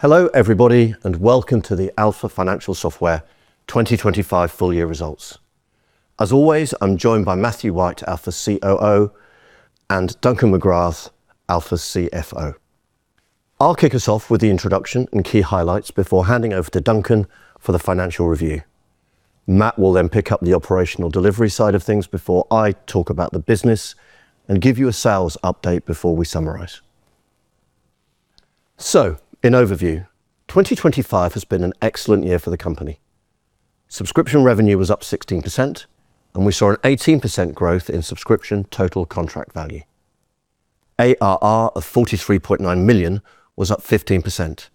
Hello everybody, and welcome to the Alfa Financial Software 2025 Full-Year Results. As always, I'm joined by Matthew White, Alfa COO, and Duncan Magrath, Alfa CFO. I'll kick us off with the introduction and key highlights before handing over to Duncan for the financial review. Matt will then pick up the operational delivery side of things before I talk about the business and give you a sales update before we summarize. In overview, 2025 has been an excellent year for the company. Subscription revenue was up 16%, and we saw an 18% growth in subscription total contract value. ARR of 43.9 million was up 15%,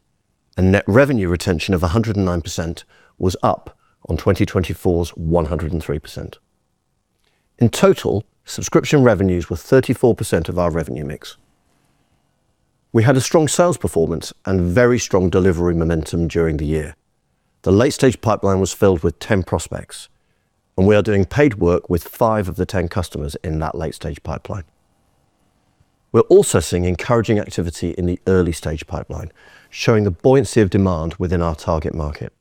and net revenue retention of 109% was up on 2024's 103%. In total, subscription revenues were 34% of our revenue mix. We had a strong sales performance and very strong delivery momentum during the year. The late-stage pipeline was filled with 10 prospects, and we are doing paid work with five of the 10 customers in that late-stage pipeline. We're also seeing encouraging activity in the early-stage pipeline, showing the buoyancy of demand within our target market.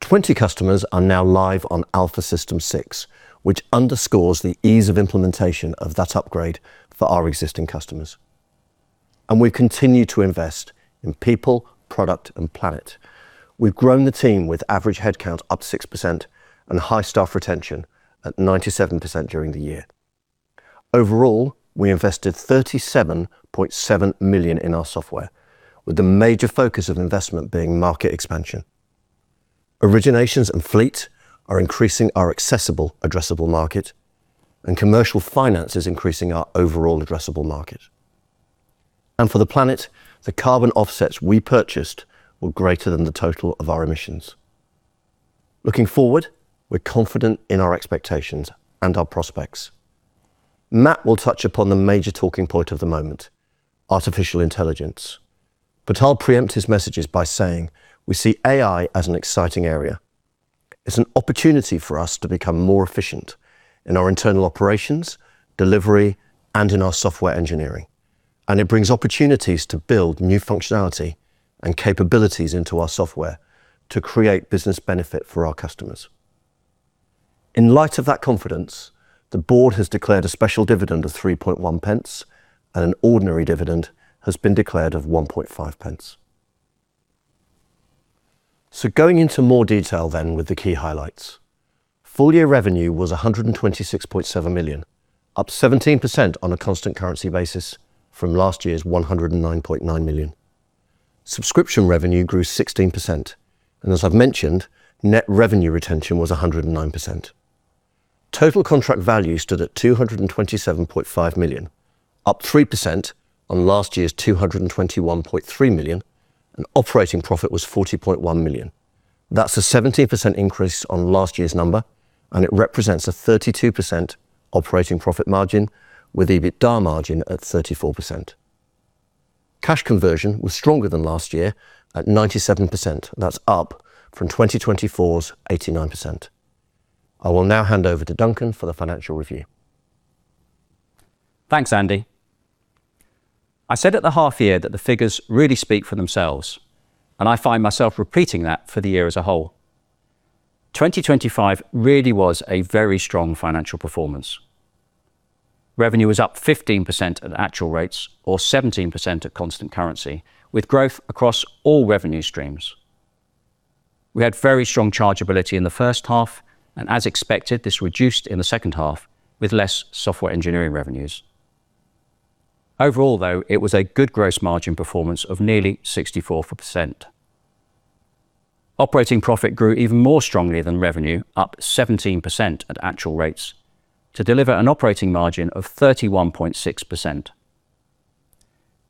20 customers are now live on Alfa Systems 6, which underscores the ease of implementation of that upgrade for our existing customers. We continue to invest in people, product and planet. We've grown the team with average headcount up 6% and high-staff retention at 97% during the year. Overall, we invested 37.7 million in our software, with the major focus of investment being market expansion. Originations and Fleet are increasing our serviceable addressable market and Commercial Finance is increasing our overall addressable market. For the planet, the carbon offsets we purchased were greater than the total of our emissions. Looking forward, we're confident in our expectations and our prospects. Matt will touch upon the major talking point of the moment, artificial intelligence. I'll preempt his messages by saying we see AI as an exciting area. It's an opportunity for us to become more efficient in our internal operations, delivery and in our software engineering, and it brings opportunities to build new functionality and capabilities into our software to create business benefit for our customers. In light of that confidence, the board has declared a special dividend of 0.031 and an ordinary dividend has been declared of 0.015. Going into more detail then with the key highlights. Full year revenue was 126.7 million, up 17% on a constant currency basis from last year's 109.9 million. Subscription revenue grew 16% and as I've mentioned, net revenue retention was 109%. Total contract value stood at 227.5 million, up 3% on last year's 221.3 million, and operating profit was 40.1 million. That's a 17% increase on last year's number, and it represents a 32% operating profit margin with EBITDA margin at 34%. Cash conversion was stronger than last year at 97%. That's up from 2024's 89%. I will now hand over to Duncan for the financial review. Thanks, Andy. I said at the half-year that the figures really speak for themselves, and I find myself repeating that for the year as a whole. 2025 really was a very strong financial performance. Revenue was up 15% at actual rates, or 17% at constant currency, with growth across all revenue streams. We had very strong chargeability in the first half, and as expected, this reduced in the second half with less software engineering revenues. Overall, though, it was a good gross margin performance of nearly 64%. Operating profit grew even more strongly than revenue, up 17% at actual rates to deliver an operating margin of 31.6%.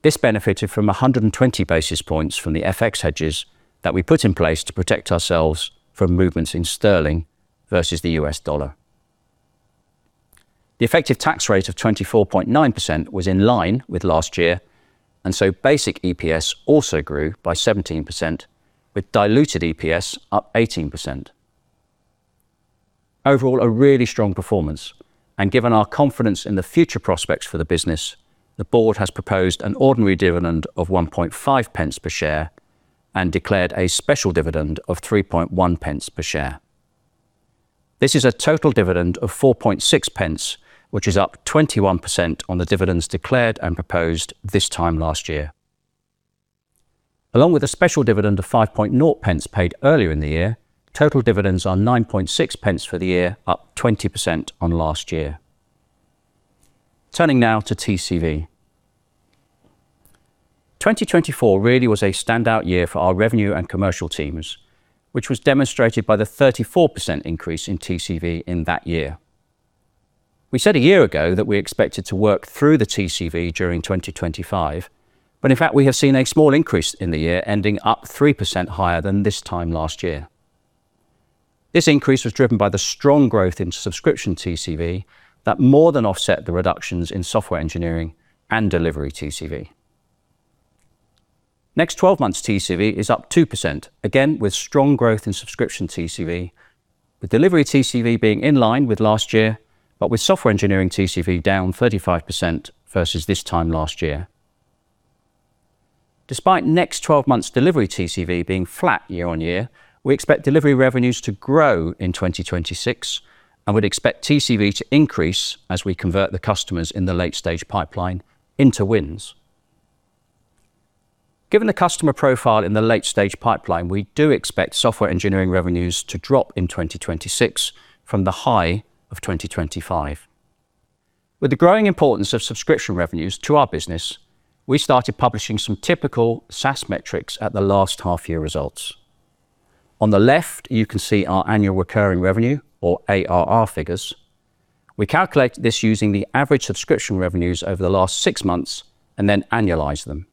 This benefited from 120 basis points from the FX hedges that we put in place to protect ourselves from movements in sterling versus the US dollar. The effective tax rate of 24.9% was in line with last year, and so basic EPS also grew by 17%, with diluted EPS up 18%. Overall, a really strong performance. Given our confidence in the future prospects for the business, the board has proposed an ordinary dividend of 0.015 per share and declared a special dividend of 0.031 per share. This is a total dividend of 0.046, which is up 21% on the dividends declared and proposed this time last year. Along with a special dividend of 0.050 paid earlier in the year, total dividends are 0.096 for the year, up 20% on last year. Turning now to TCV. 2024 really was a standout year for our revenue and commercial teams, which was demonstrated by the 34% increase in TCV in that year. We said a year ago that we expected to work through the TCV during 2025, but in fact we have seen a small increase in the year, ending up 3% higher than this time last year. This increase was driven by the strong growth in subscription TCV that more than offset the reductions in software engineering and delivery TCV. Next twelve months TCV is up 2%, again with strong growth in subscription TCV. The delivery TCV being in line with last year, but with software engineering TCV down 35% versus this time last year. Despite next twelve months delivery TCV being flat year-over-year, we expect delivery revenues to grow in 2026, and would expect TCV to increase as we convert the customers in the late-stage pipeline into wins. Given the customer profile in the late-stage pipeline, we do expect software engineering revenues to drop in 2026 from the high of 2025. With the growing importance of subscription revenues to our business, we started publishing some typical SaaS metrics at the last half-year results. On the left you can see our annual recurring revenue or ARR figures. We calculate this using the average subscription revenues over the last six months and then annualize them.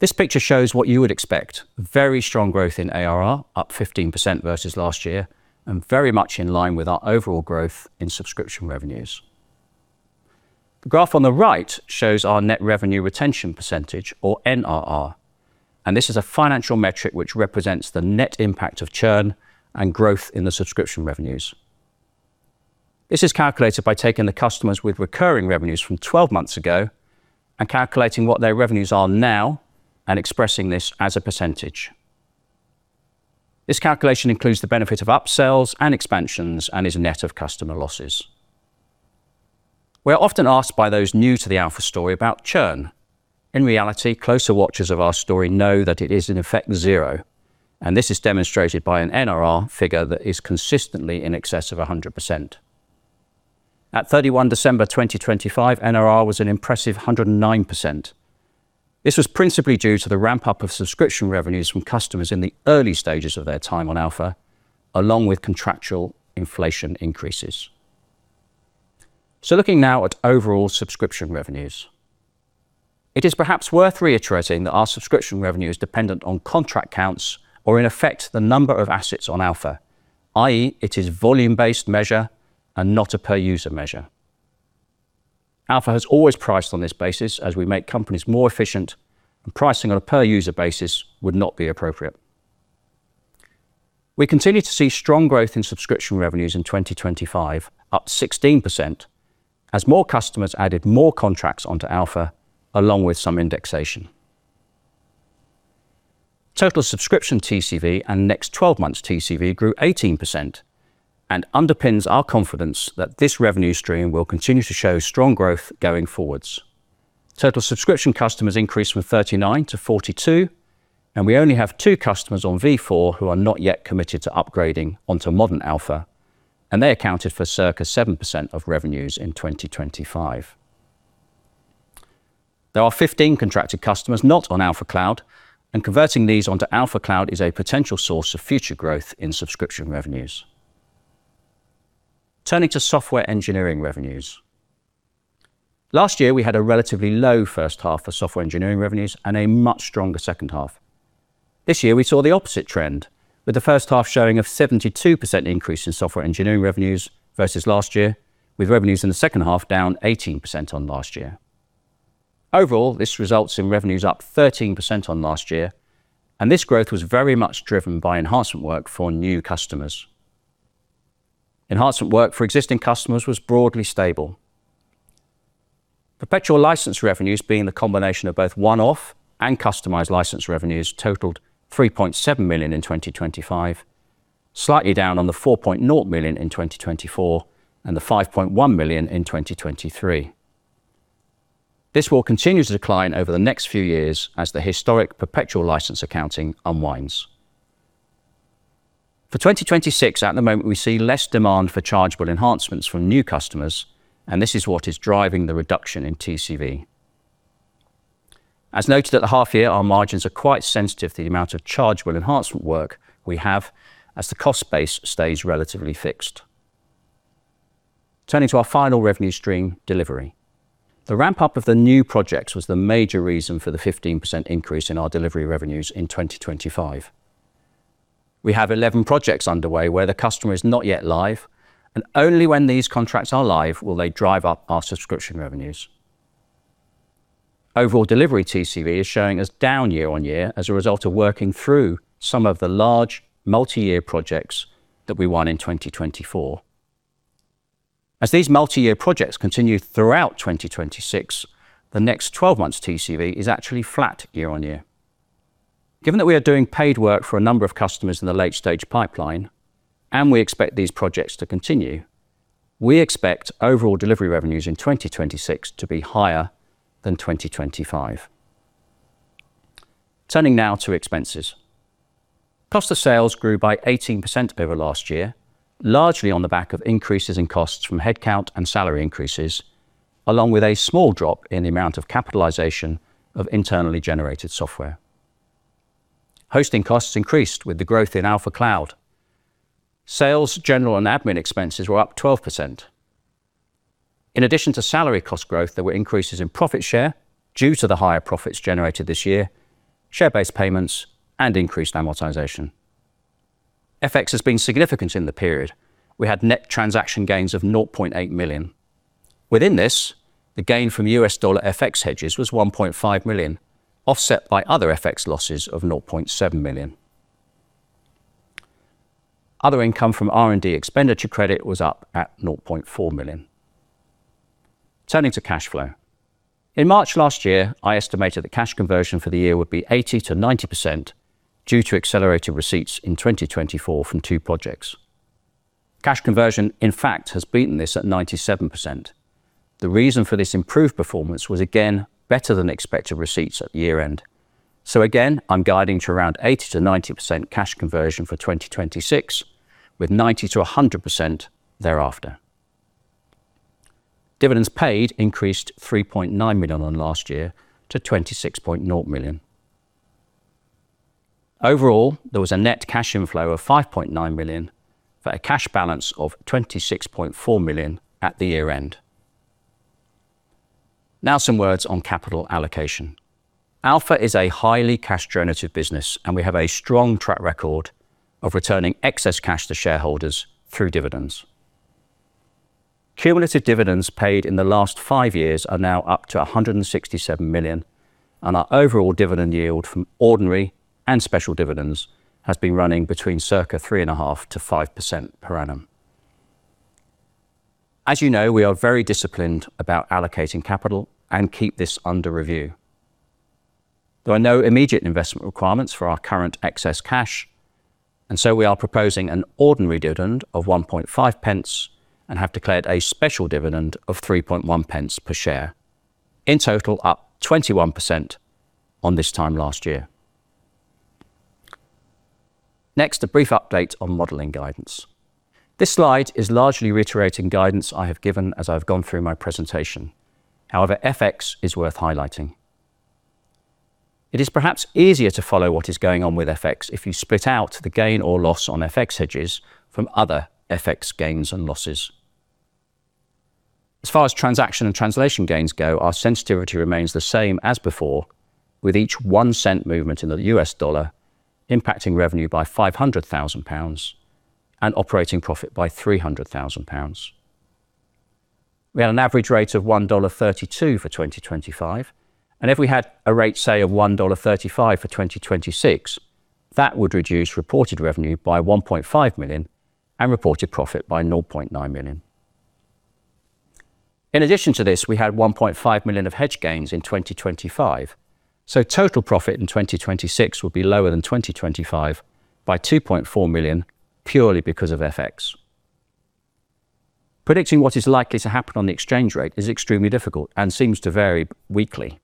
This picture shows what you would expect, very strong growth in ARR, up 15% versus last year, and very much in line with our overall growth in subscription revenues. The graph on the right shows our net revenue retention percentage or NRR, and this is a financial metric which represents the net impact of churn and growth in the subscription revenues. This is calculated by taking the customers with recurring revenues from 12 months ago and calculating what their revenues are now and expressing this as a percentage. This calculation includes the benefit of upsells and expansions and is net of customer losses. We're often asked by those new to the Alfa story about churn. In reality, closer watchers of our story know that it is in effect zero, and this is demonstrated by an NRR figure that is consistently in excess of 100%. At 31 December 2025, NRR was an impressive 109%. This was principally due to the ramp up of subscription revenues from customers in the early stages of their time on Alfa, along with contractual inflation increases. Looking now at overall subscription revenues. It is perhaps worth reiterating that our subscription revenue is dependent on contract counts or in effect the number of assets on Alfa, i.e. it is volume-based measure and not a per user measure. Alfa has always priced on this basis as we make companies more efficient, and pricing on a per user basis would not be appropriate. We continue to see strong growth in subscription revenues in 2025, up 16%, as more customers added more contracts onto Alfa along with some indexation. Total subscription TCV and next twelve months TCV grew 18% and underpins our confidence that this revenue stream will continue to show strong growth going forwards. Total subscription customers increased from 39-42, and we only have two customers on V4 who are not yet committed to upgrading onto modern Alfa, and they accounted for circa 7% of revenues in 2025. There are 15 contracted customers not on Alfa Cloud, and converting these onto Alfa Cloud is a potential source of future growth in subscription revenues. Turning to software engineering revenues. Last year, we had a relatively low first half for software engineering revenues and a much stronger second half. This year we saw the opposite trend, with the first half showing a 72% increase in software engineering revenues versus last year, with revenues in the second half down 18% on last year. Overall, this results in revenues up 13% on last year, and this growth was very much driven by enhancement work for new customers. Enhancement work for existing customers was broadly stable. Perpetual license revenues being the combination of both one-off and customized license revenues totaled 3.7 million in 2025, slightly down on the 4.0 million in 2024 and the 5.1 million in 2023. This will continue to decline over the next few years as the historic perpetual license accounting unwinds. For 2026, at the moment we see less demand for chargeable enhancements from new customers, and this is what is driving the reduction in TCV. As noted at the half year, our margins are quite sensitive to the amount of chargeable enhancement work we have as the cost base stays relatively fixed. Turning to our final revenue stream, delivery. The ramp up of the new projects was the major reason for the 15% increase in our delivery revenues in 2025. We have 11 projects underway where the customer is not yet live, and only when these contracts are live will they drive up our subscription revenues. Overall delivery TCV is showing us down year-on-year as a result of working through some of the large multi-year projects that we won in 2024. As these multi-year projects continue throughout 2026, the next 12 months TCV is actually flat year-on-year. Given that we are doing paid work for a number of customers in the late stage pipeline, and we expect these projects to continue, we expect overall delivery revenues in 2026 to be higher than 2025. Turning now to expenses. Cost of sales grew by 18% over last year, largely on the back of increases in costs from headcount and salary increases, along with a small drop in the amount of capitalization of internally generated software. Hosting costs increased with the growth in Alfa Cloud. Sales general and admin expenses were up 12%. In addition to salary cost growth, there were increases in profit share due to the higher profits generated this year, share-based payments and increased amortization. FX has been significant in the period. We had net transaction gains of 0.8 million. Within this, the gain from US dollar FX hedges was 1.5 million, offset by other FX losses of 0.7 million. Other income from R&D expenditure credit was up at 0.4 million. Turning to cash flow. In March last year, I estimated that cash conversion for the year would be 80%-90% due to accelerated receipts in 2024 from two projects. Cash conversion, in fact, has beaten this at 97%. The reason for this improved performance was again better than expected receipts at year-end. Again, I'm guiding to around 80%-90% cash conversion for 2026, with 90%-100% thereafter. Dividends paid increased 3.9 million on last year to 26.0 million. Overall, there was a net cash inflow of 5.9 million for a cash balance of 26.4 million at the year-end. Now some words on capital allocation. Alfa is a highly cash generative business, and we have a strong track record of returning excess cash to shareholders through dividends. Cumulative dividends paid in the last five years are now up to 167 million, and our overall dividend yield from ordinary and special dividends has been running between circa 3.5%-5% per annum. As you know, we are very disciplined about allocating capital and keep this under review. There are no immediate investment requirements for our current excess cash, and so we are proposing an ordinary dividend of 0.015 and have declared a special dividend of 0.031 per share, in total up 21% on this time last year. Next, a brief update on modeling guidance. This slide is largely reiterating guidance I have given as I've gone through my presentation. However, FX is worth highlighting. It is perhaps easier to follow what is going on with FX if you split out the gain or loss on FX hedges from other FX gains and losses. As far as transaction and translation gains go, our sensitivity remains the same as before, with each 1-cent movement in the US dollar impacting revenue by 500 thousand pounds and operating profit by 300 thousand pounds. We had an average rate of $1.32 for 2025, and if we had a rate, say, of $1.35 for 2026, that would reduce reported revenue by 1.5 million and reported profit by 0.9 million. In addition to this, we had 1.5 million of hedge gains in 2025, so total profit in 2026 will be lower than 2025 by 2.4 million purely because of FX. Predicting what is likely to happen on the exchange rate is extremely difficult and seems to vary weekly.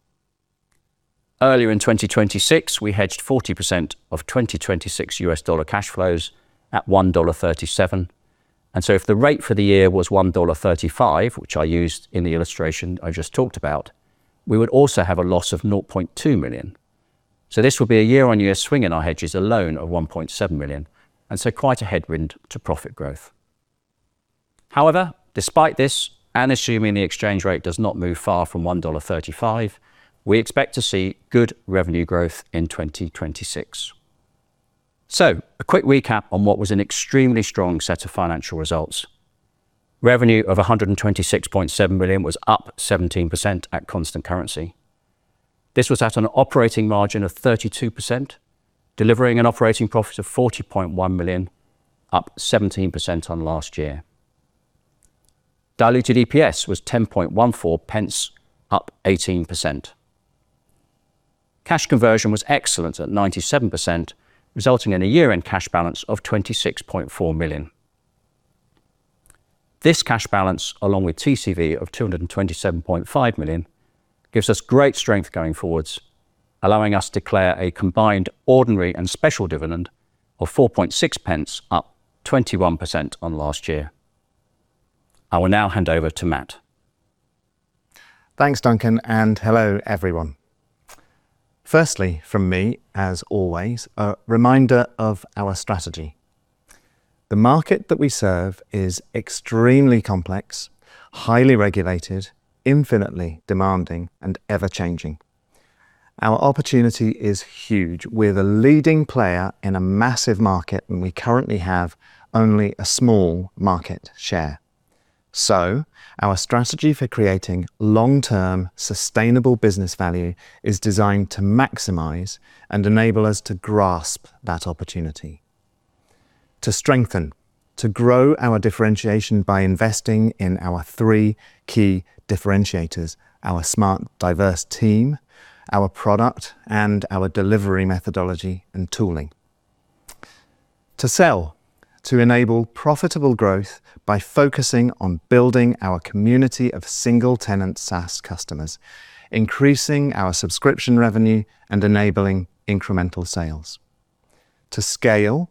Earlier in 2026, we hedged 40% of 2026 US dollar cash flows at $1.37, and so if the rate for the year was $1.35, which I used in the illustration I just talked about, we would also have a loss of 0.2 million. This will be a year-on-year swing in our hedges alone of 1.7 million, and so quite a headwind to profit growth. However, despite this, and assuming the exchange rate does not move far from $1.35, we expect to see good revenue growth in 2026. A quick recap on what was an extremely strong set of financial results. Revenue of 126.7 million was up 17% at constant currency. This was at an operating margin of 32%, delivering an operating profit of 40.1 million, up 17% on last year. Diluted EPS was 10.14 pence, up 18%. Cash conversion was excellent at 97%, resulting in a year-end cash balance of 26.4 million. This cash balance, along with TCV of 227.5 million, gives us great strength going forward, allowing us to declare a combined ordinary and special dividend of 4.6 pence, up 21% on last year. I will now hand over to Matt. Thanks, Duncan, and hello, everyone. Firstly, from me, as always, a reminder of our strategy. The market that we serve is extremely complex, highly regulated, infinitely demanding, and ever-changing. Our opportunity is huge. We're the leading player in a massive market, and we currently have only a small market share. Our strategy for creating long-term sustainable business value is designed to maximize and enable us to grasp that opportunity. To strengthen, to grow our differentiation by investing in our three key differentiators, our smart, diverse team, our product, and our delivery methodology and tooling. To sell, to enable profitable growth by focusing on building our community of single-tenant SaaS customers, increasing our subscription revenue, and enabling incremental sales. To scale,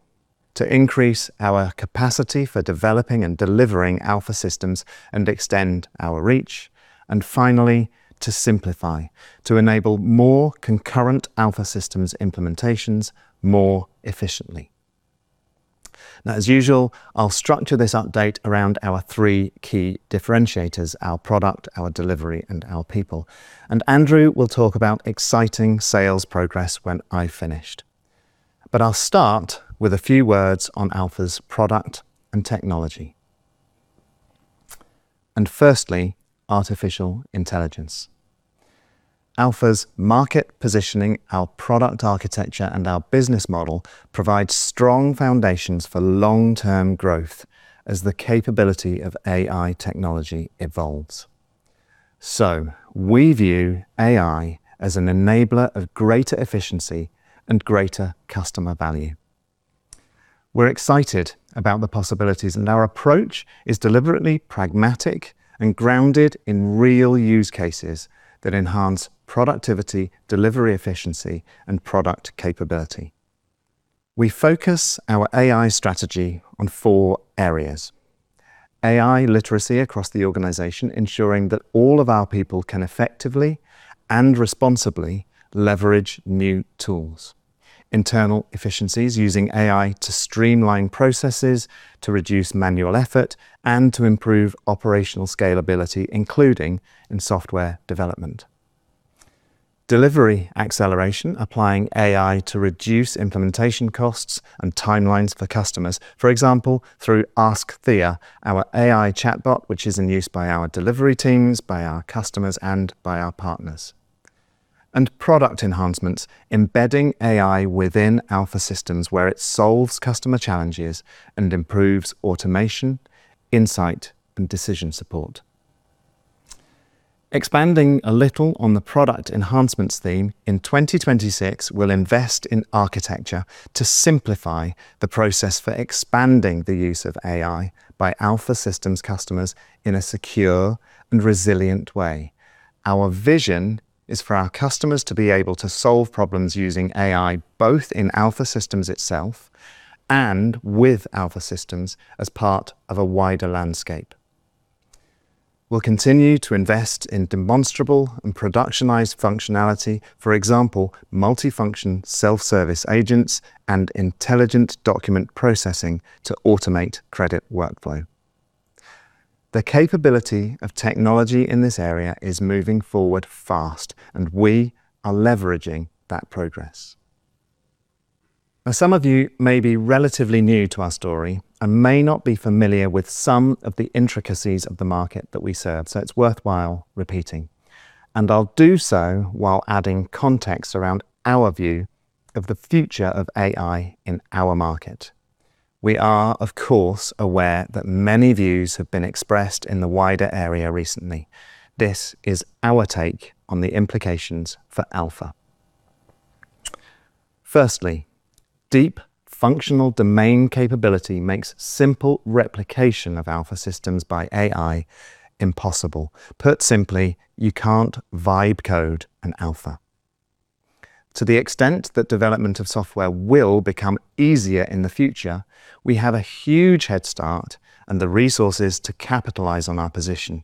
to increase our capacity for developing and delivering Alfa Systems and extend our reach. Finally, to simplify, to enable more concurrent Alfa Systems implementations more efficiently. Now, as usual, I'll structure this update around our three key differentiators: our product, our delivery, and our people. Andrew will talk about exciting sales progress when I've finished. I'll start with a few words on Alfa's product and technology. Firstly, artificial intelligence. Alfa's market positioning, our product architecture, and our business model provide strong foundations for long-term growth as the capability of AI technology evolves. We view AI as an enabler of greater efficiency and greater customer value. We're excited about the possibilities, and our approach is deliberately pragmatic and grounded in real use cases that enhance productivity, delivery efficiency, and product capability. We focus our AI strategy on four areas. AI literacy across the organization, ensuring that all of our people can effectively and responsibly leverage new tools. Internal efficiencies using AI to streamline processes to reduce manual effort and to improve operational scalability, including in software development. Delivery acceleration, applying AI to reduce implementation costs and timelines for customers. For example, through AskThea, our AI chatbot, which is in use by our delivery teams, by our customers, and by our partners. Product enhancements, embedding AI within Alfa Systems where it solves customer challenges and improves automation, insight, and decision support. Expanding a little on the product enhancements theme, in 2026, we'll invest in architecture to simplify the process for expanding the use of AI by Alfa Systems customers in a secure and resilient way. Our vision is for our customers to be able to solve problems using AI both in Alfa Systems itself and with Alfa Systems as part of a wider landscape. We'll continue to invest in demonstrable and productionized functionality. For example, multifunction self-service agents and intelligent document processing to automate credit workflow. The capability of technology in this area is moving forward fast, and we are leveraging that progress. Now some of you may be relatively new to our story and may not be familiar with some of the intricacies of the market that we serve, so it's worthwhile repeating. I'll do so while adding context around our view of the future of AI in our market. We are, of course, aware that many views have been expressed in the wider area recently. This is our take on the implications for Alfa. Firstly, deep functional domain capability makes simple replication of Alfa Systems by AI impossible. Put simply, you can't write code an Alfa. To the extent that development of software will become easier in the future, we have a huge head start and the resources to capitalize on our position.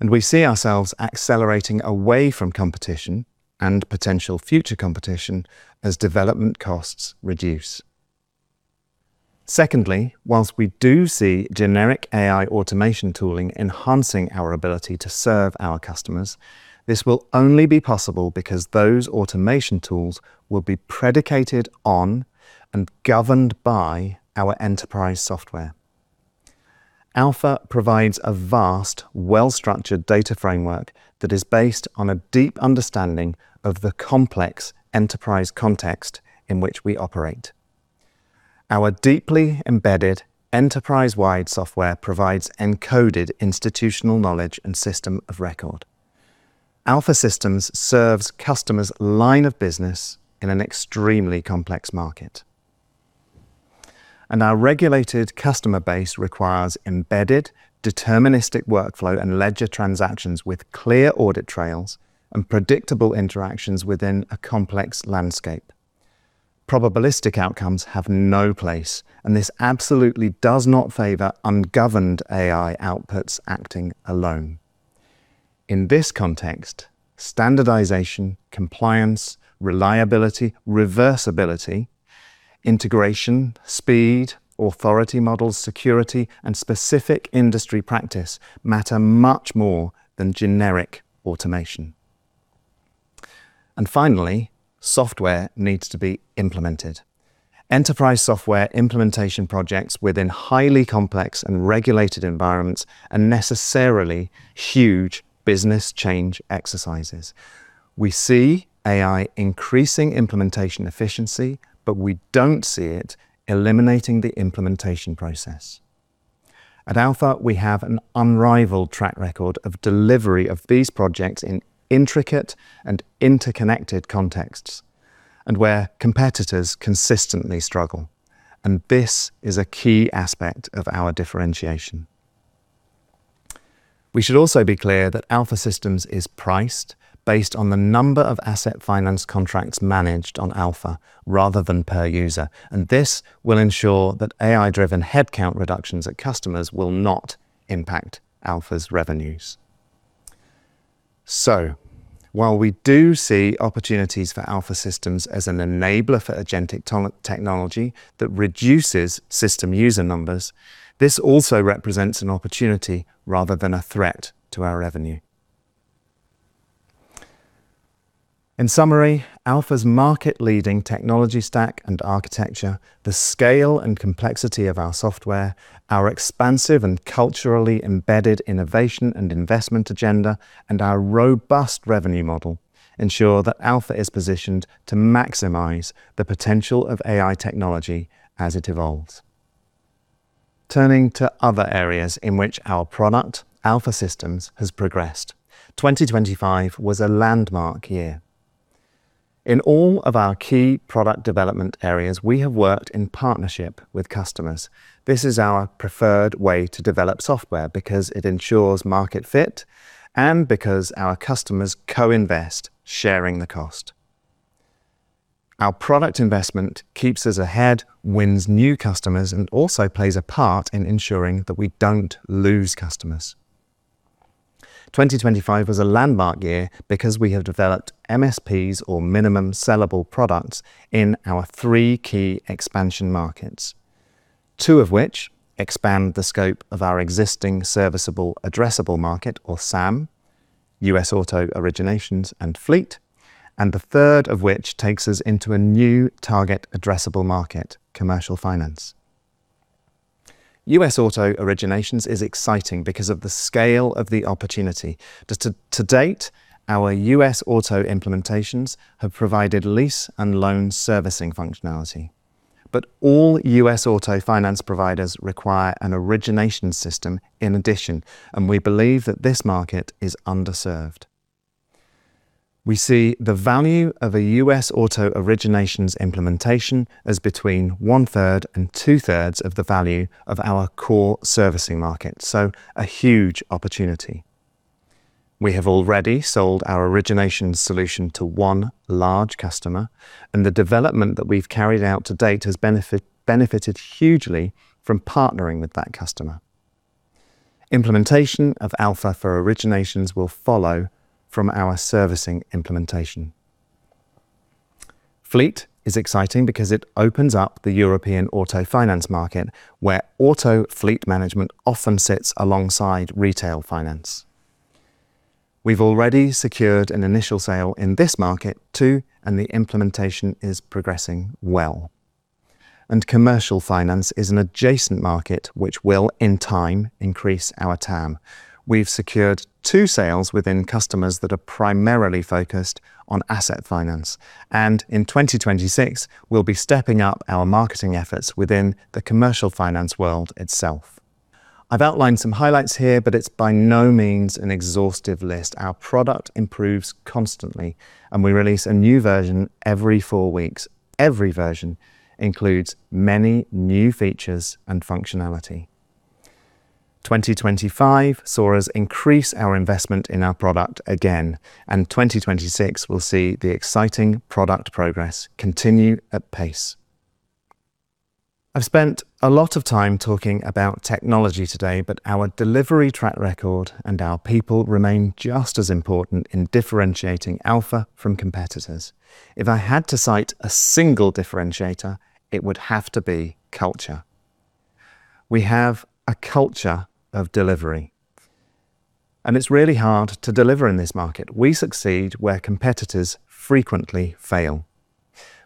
We see ourselves accelerating away from competition and potential future competition as development costs reduce. Secondly, while we do see generic AI automation tooling enhancing our ability to serve our customers, this will only be possible because those automation tools will be predicated on and governed by our enterprise software. Alfa provides a vast, well-structured data framework that is based on a deep understanding of the complex enterprise context in which we operate. Our deeply embedded enterprise-wide software provides encoded institutional knowledge and system of record. Alfa Systems serves customers' line of business in an extremely complex market. Our regulated customer base requires embedded deterministic workflow and ledger transactions with clear audit trails and predictable interactions within a complex landscape. Probabilistic outcomes have no place, and this absolutely does not favor ungoverned AI outputs acting alone. In this context, standardization, compliance, reliability, reversibility, integration, speed, authority models, security, and specific industry practice matter much more than generic automation. Finally, software needs to be implemented. Enterprise software implementation projects within highly complex and regulated environments are necessarily huge business change exercises. We see AI increasing implementation efficiency, but we don't see it eliminating the implementation process. At Alfa, we have an unrivaled track record of delivery of these projects in intricate and interconnected contexts and where competitors consistently struggle. This is a key aspect of our differentiation. We should also be clear that Alfa Systems is priced based on the number of asset finance contracts managed on Alfa rather than per user, and this will ensure that AI-driven headcount reductions at customers will not impact Alfa's revenues. While we do see opportunities for Alfa Systems as an enabler for agentic AI technology that reduces system user numbers, this also represents an opportunity rather than a threat to our revenue. In summary, Alfa's market-leading technology stack and architecture, the scale and complexity of our software, our expansive and culturally embedded innovation and investment agenda, and our robust revenue model ensure that Alfa is positioned to maximize the potential of AI technology as it evolves. Turning to other areas in which our product, Alfa Systems, has progressed. 2025 was a landmark year. In all of our key product development areas, we have worked in partnership with customers. This is our preferred way to develop software because it ensures market fit and because our customers co-invest, sharing the cost. Our product investment keeps us ahead, wins new customers, and also plays a part in ensuring that we don't lose customers. 2025 was a landmark year because we have developed MSPs or minimum sellable products in our three key expansion markets, two of which expand the scope of our existing serviceable addressable market or SAM, US Auto Originations and Fleet, and the third of which takes us into a new target addressable market, Commercial Finance. US Auto Originations is exciting because of the scale of the opportunity. To date, our US Auto implementations have provided lease and loan servicing functionality. All US Auto Finance providers require an origination system in addition, and we believe that this market is underserved. We see the value of a US Auto Originations implementation as between 1/3 and 2/3 of the value of our core servicing market, so a huge opportunity. We have already sold our origination solution to one large customer, and the development that we've carried out to date has benefited hugely from partnering with that customer. Implementation of Alfa for Originations will follow from our servicing implementation. Fleet is exciting because it opens up the European Auto Finance market, where auto fleet management often sits alongside retail finance. We've already secured an initial sale in this market too, and the implementation is progressing well. Commercial Finance is an adjacent market which will, in time, increase our TAM. We've secured two sales within customers that are primarily focused on asset finance. In 2026, we'll be stepping up our marketing efforts within the commercial finance world itself. I've outlined some highlights here, but it's by no means an exhaustive list. Our product improves constantly, and we release a new version every four weeks. Every version includes many new features and functionality. 2025 saw us increase our investment in our product again, and 2026 will see the exciting product progress continue at pace. I've spent a lot of time talking about technology today, but our delivery track record and our people remain just as important in differentiating Alfa from competitors. If I had to cite a single differentiator, it would have to be culture. We have a culture of delivery, and it's really hard to deliver in this market. We succeed where competitors frequently fail.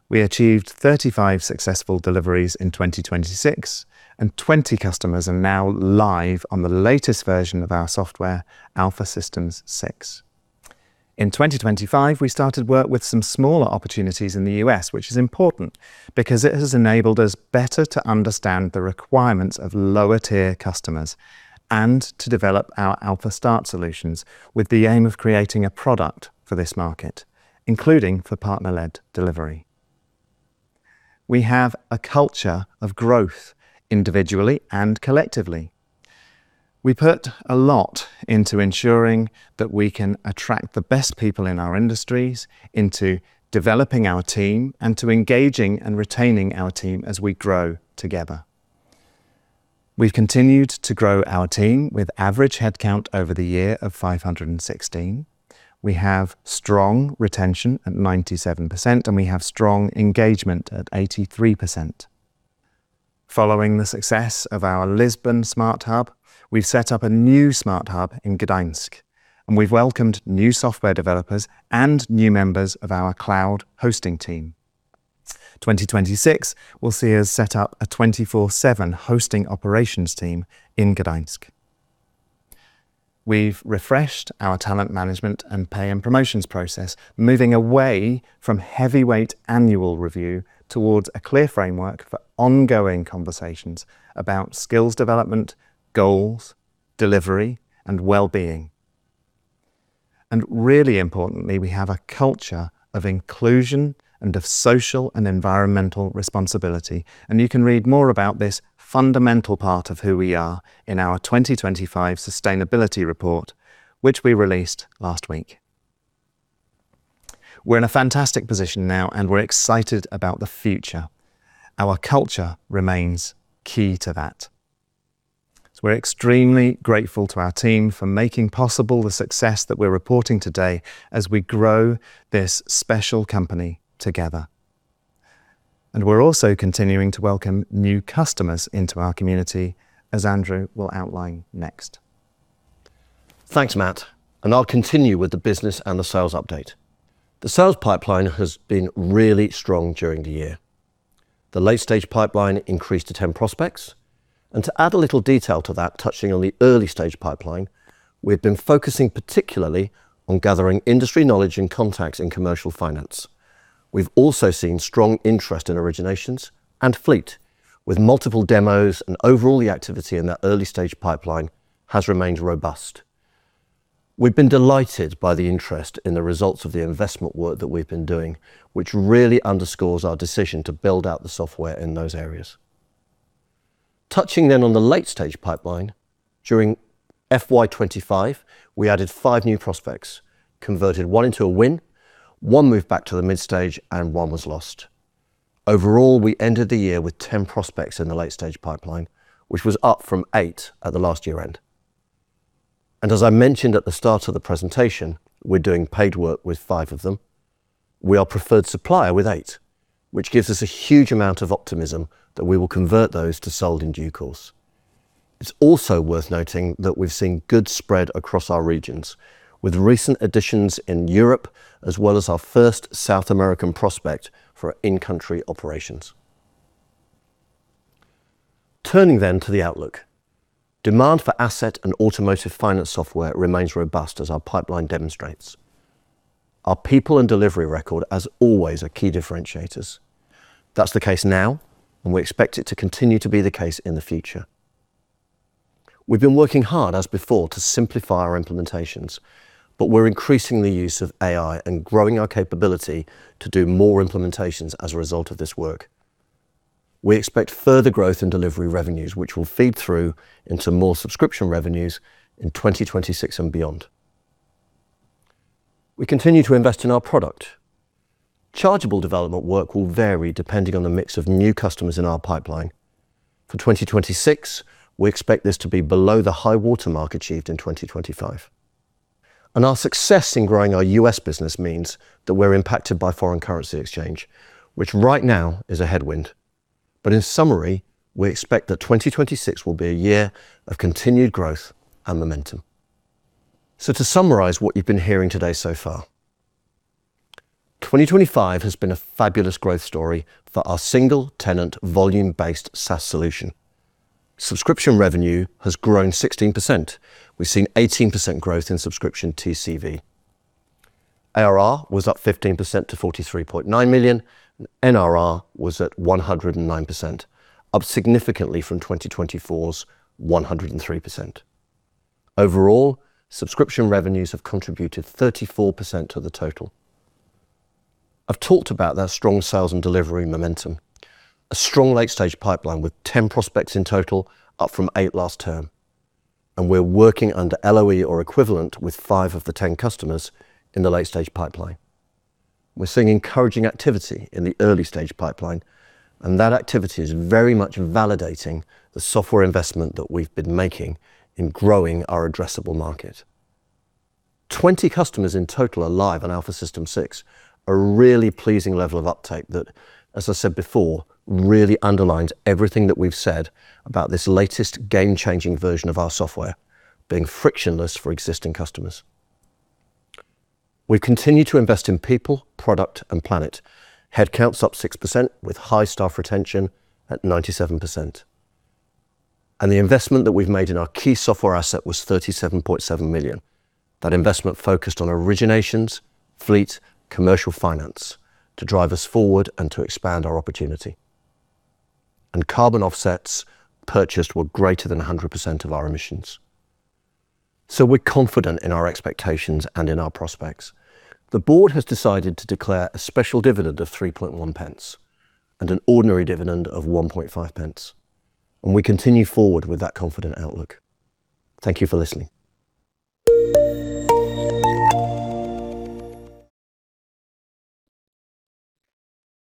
We achieved 35 successful deliveries in 2026, and 20 customers are now live on the latest version of our software, Alfa Systems 6. In 2025, we started work with some smaller opportunities in the U.S., which is important because it has enabled us better to understand the requirements of lower-tier customers and to develop our Alfa Start solutions with the aim of creating a product for this market, including for partner-led delivery. We have a culture of growth individually and collectively. We put a lot into ensuring that we can attract the best people in our industries into developing our team and to engaging and retaining our team as we grow together. We've continued to grow our team with average headcount over the year of 516. We have strong retention at 97%, and we have strong engagement at 83%. Following the success of our Lisbon Smart Hub, we've set up a new Smart Hub in Gdańsk, and we've welcomed new software developers and new members of our cloud hosting team. 2026 will see us set up a 24/7 hosting operations team in Gdańsk. We've refreshed our talent management and pay and promotions process, moving away from heavyweight annual review towards a clear framework for ongoing conversations about skills development, goals, delivery, and well-being. Really importantly, we have a culture of inclusion and of social and environmental responsibility. You can read more about this fundamental part of who we are in our 2025 sustainability report, which we released last week. We're in a fantastic position now, and we're excited about the future. Our culture remains key to that. We're extremely grateful to our team for making possible the success that we're reporting today as we grow this special company together. We're also continuing to welcome new customers into our community, as Andrew will outline next. Thanks, Matt. I'll continue with the business and the sales update. The sales pipeline has been really strong during the year. The late stage pipeline increased to 10 prospects. To add a little detail to that, touching on the early stage pipeline, we've been focusing particularly on gathering industry knowledge and contacts in Commercial Finance. We've also seen strong interest in originations and Fleet with multiple demos, and overall the activity in that early stage pipeline has remained robust. We've been delighted by the interest in the results of the investment work that we've been doing, which really underscores our decision to build out the software in those areas. Touching, then, on the late stage pipeline, during FY 2025 we added five new prospects, converted one into a win, one moved back to the mid stage and 1 was lost. Overall, we ended the year with 10 prospects in the late stage pipeline, which was up from 8 at the last year end. As I mentioned at the start of the presentation, we're doing paid work with 5 of them. We are preferred supplier with 8, which gives us a huge amount of optimism that we will convert those to sold in due course. It's also worth noting that we've seen good spread across our regions with recent additions in Europe, as well as our first South American prospect for in-country operations. Turning to the outlook. Demand for asset and automotive finance software remains robust, as our pipeline demonstrates. Our people and delivery record, as always, are key differentiators. That's the case now, and we expect it to continue to be the case in the future. We've been working hard, as before, to simplify our implementations, but we're increasing the use of AI and growing our capability to do more implementations as a result of this work. We expect further growth in delivery revenues, which will feed through into more subscription revenues in 2026 and beyond. We continue to invest in our product. Chargeable development work will vary depending on the mix of new customers in our pipeline. For 2026, we expect this to be below the high-water mark achieved in 2025. Our success in growing our U.S. business means that we're impacted by foreign currency exchange, which right now is a headwind. In summary, we expect that 2026 will be a year of continued growth and momentum. To summarize what you've been hearing today so far. 2025 has been a fabulous growth story for our single-tenant, volume-based SaaS solution. Subscription revenue has grown 16%. We've seen 18% growth in subscription TCV. ARR was up 15% to 43.9 million. NRR was at 109%, up significantly from 2024's 103%. Overall, subscription revenues have contributed 34% to the total. I've talked about that strong sales and delivery momentum, a strong late-stage pipeline with 10 prospects in total, up from eight last term. We're working under LOE or equivalent with 5/10 customers in the late-stage pipeline. We're seeing encouraging activity in the early-stage pipeline, and that activity is very much validating the software investment that we've been making in growing our addressable market. 20 customers in total are live on Alfa Systems 6, a really pleasing level of uptake that, as I said before, really underlines everything that we've said about this latest game-changing version of our software being frictionless for existing customers. We continue to invest in people, product and planet. Headcount's up 6% with high staff retention at 97%. The investment that we've made in our key software asset was 37.7 million. That investment focused on originations, Fleet, Commercial Finance to drive us forward and to expand our opportunity. Carbon offsets purchased were greater than 100% of our emissions. We're confident in our expectations and in our prospects. The board has decided to declare a special dividend of 0.031 and an ordinary dividend of 0.015, and we continue forward with that confident outlook. Thank you for listening.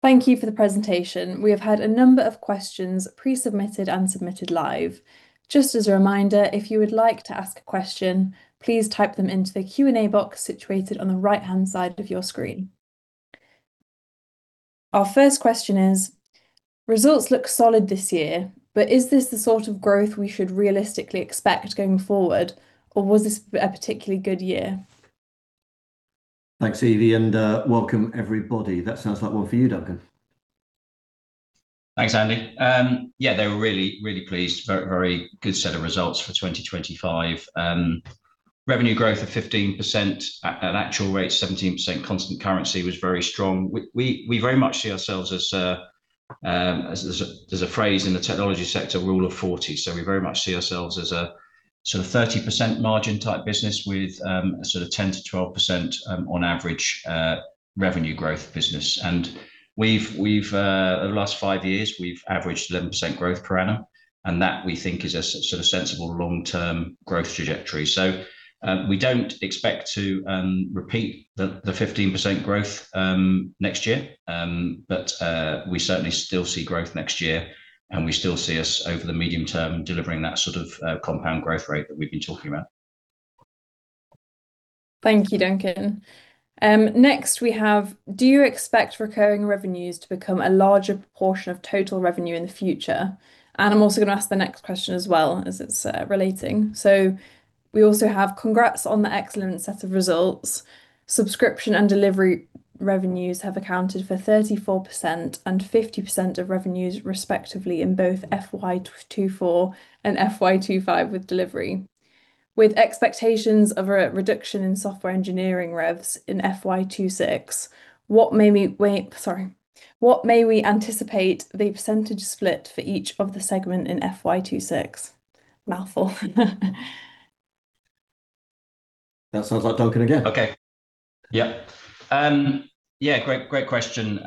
Thank you for the presentation. We have had a number of questions pre-submitted and submitted live. Just as a reminder, if you would like to ask a question, please type them into the Q&A box situated on the right-hand side of your screen. Our first question is, "Results look solid this year, but is this the sort of growth we should realistically expect going forward, or was this a particularly good year? Thanks, Evie, and welcome everybody. That sounds like one for you, Duncan. Thanks, Andy. Yeah, they were really pleased. Very good set of results for 2025. Revenue growth of 15% at actual rate, 17% constant currency was very strong. We very much see ourselves. There's a phrase in the technology sector, Rule of Forty. We very much see ourselves as a sort of 30% margin type business with a sort of 10%-12%, on average, revenue growth business. We've over the last five years averaged 11% growth per annum, and that we think is a sort of sensible long-term growth trajectory. We don't expect to repeat the 15% growth next year. We certainly still see growth next year, and we still see us over the medium term delivering that sort of compound growth rate that we've been talking about. Thank you, Duncan. Next we have, do you expect recurring revenues to become a larger proportion of total revenue in the future? I'm also gonna ask the next question as well, as it's relating. We also have congrats on the excellent set of results. Subscription and delivery revenues have accounted for 34% and 50% of revenues respectively in both FY 2024 and FY 2025 with delivery. With expectations of a reduction in software engineering revs in FY 2026, what may we anticipate the percentage split for each of the segment in FY 2026? Mouthful. That sounds like Duncan again. Okay. Yeah. Yeah, great question.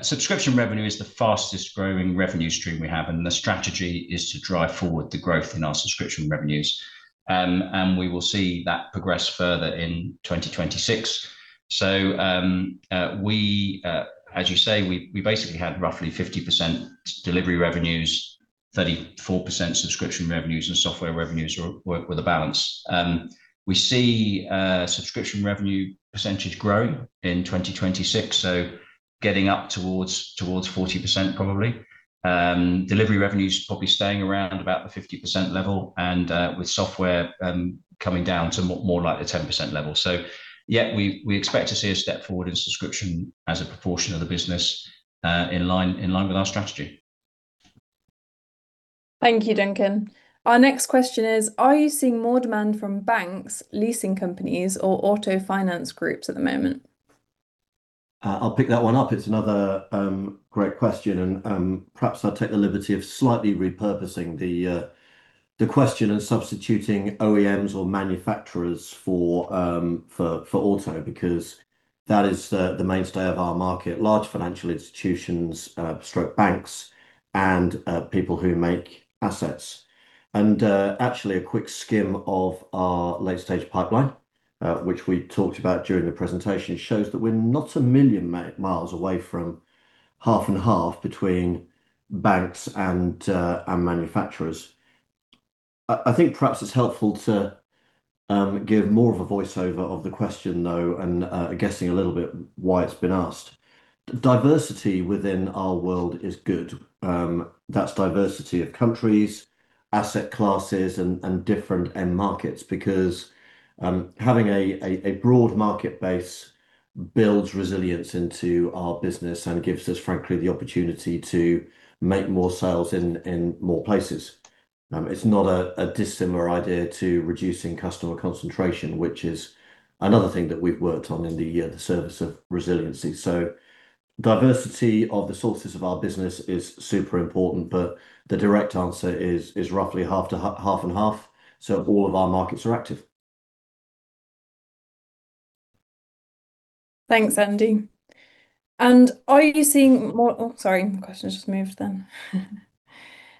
Subscription revenue is the fastest growing revenue stream we have, and the strategy is to drive forward the growth in our subscription revenues. We will see that progress further in 2026. As you say, we basically had roughly 50% delivery revenues, 34% subscription revenues and software revenues or with a balance. We see subscription revenue percentage growing in 2026, getting up towards 40% probably. Delivery revenues probably staying around about the 50% level and with software coming down to more like the 10% level. Yeah, we expect to see a step forward in subscription as a proportion of the business in line with our strategy. Thank you, Duncan. Our next question is, are you seeing more demand from banks, leasing companies or auto finance groups at the moment? I'll pick that one up. It's another great question, and perhaps I'll take the liberty of slightly repurposing the question and substituting OEMs or manufacturers for auto because that is the mainstay of our market, large financial institutions slash banks and people who make assets. Actually, a quick skim of our late-stage pipeline, which we talked about during the presentation, shows that we're not a million miles away from half-and-half between banks and manufacturers. I think perhaps it's helpful to give more of a voiceover of the question though, and guessing a little bit why it's been asked. Diversity within our world is good. That's diversity of countries, asset classes and different end markets because having a broad market base builds resilience into our business and gives us, frankly, the opportunity to make more sales in more places. It's not a dissimilar idea to reducing customer concentration, which is another thing that we've worked on in the service of resiliency. Diversity of the sources of our business is super important, but the direct answer is roughly half-and-half, so all of our markets are active. Thanks, Andy. Oh, sorry, the question's just moved then.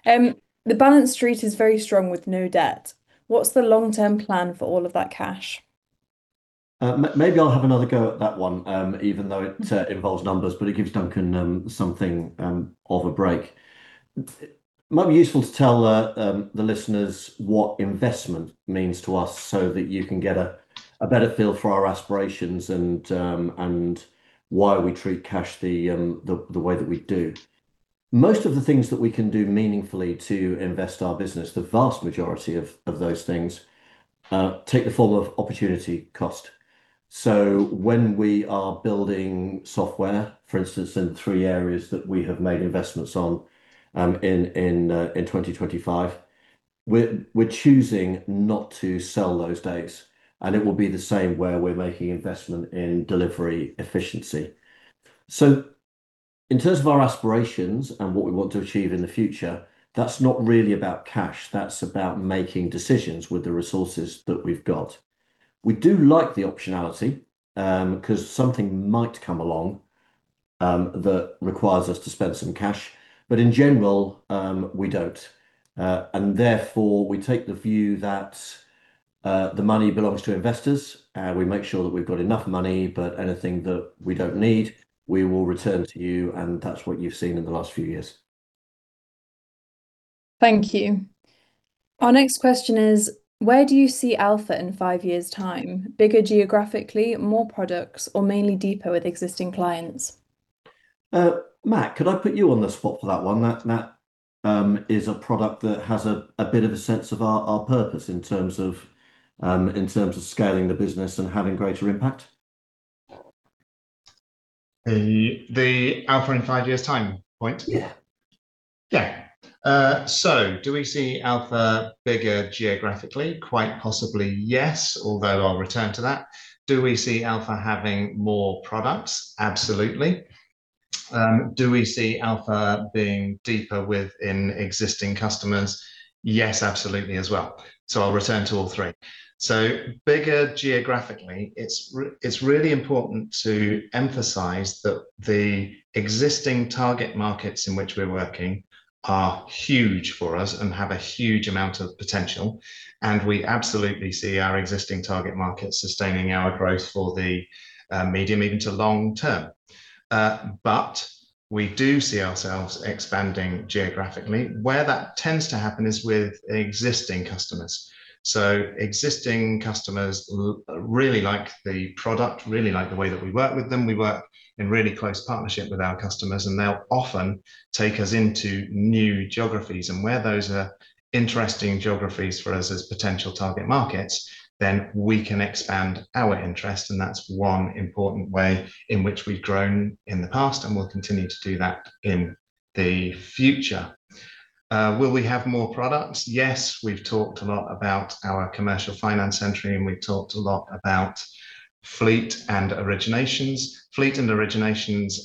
The balance sheet is very strong with no debt. What's the long-term plan for all of that cash? Maybe I'll have another go at that one, even though it involves numbers, but it gives Duncan something of a break. It might be useful to tell the listeners what investment means to us so that you can get a better feel for our aspirations and why we treat cash the way that we do. Most of the things that we can do meaningfully to invest our business, the vast majority of those things, take the form of opportunity cost. When we are building software, for instance, in three areas that we have made investments on, in 2025, we're choosing not to sell those days, and it will be the same where we're making investment in delivery efficiency. In terms of our aspirations and what we want to achieve in the future, that's not really about cash. That's about making decisions with the resources that we've got. We do like the optionality, 'cause something might come along, that requires us to spend some cash. In general, we don't. Therefore, we take the view that, the money belongs to investors. We make sure that we've got enough money, but anything that we don't need, we will return to you, and that's what you've seen in the last few years. Thank you. Our next question is, where do you see Alfa in five years' time? Bigger geographically, more products or mainly deeper with existing clients? Matt, could I put you on the spot for that one? That is a product that has a bit of a sense of our purpose in terms of scaling the business and having greater impact. The Alfa in five years' time point? Yeah. Yeah. Do we see Alfa bigger geographically? Quite possibly yes, although I'll return to that. Do we see Alfa having more products? Absolutely. Do we see Alfa being deeper within existing customers? Yes, absolutely as well. I'll return to all three. Bigger geographically, it's really important to emphasize that the existing target markets in which we're working are huge for us and have a huge amount of potential, and we absolutely see our existing target markets sustaining our growth for the medium even to long term. We do see ourselves expanding geographically. Where that tends to happen is with existing customers. Existing customers really like the product, really like the way that we work with them. We work in really close partnership with our customers, and they'll often take us into new geographies. Where those are interesting geographies for us as potential target markets, then we can expand our interest, and that's one important way in which we've grown in the past and will continue to do that in the future. Will we have more products? Yes. We've talked a lot about our Commercial Finance entry, and we've talked a lot about Fleet and originations. Fleet and originations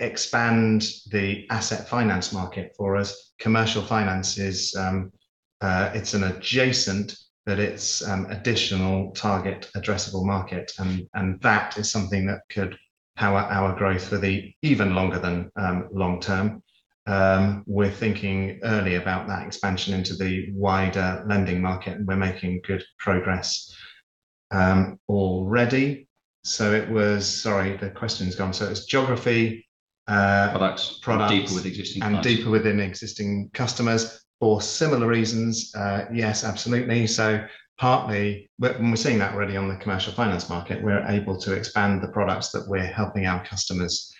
expand the asset finance market for us. Commercial Finance is an adjacent, but it's an additional target addressable market. That is something that could power our growth for the even longer than long term. We're thinking early about that expansion into the wider lending market, and we're making good progress already. Sorry, the question's gone. It's geography. Products. Products. Deeper with existing clients. Deeper within existing customers. For similar reasons, yes, absolutely. Partly, but and we're seeing that already on the Commercial Finance market. We're able to expand the products that we're helping our customers